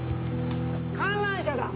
観覧車だ！